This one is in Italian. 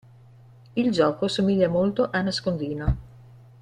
Il gioco somiglia molto a nascondino.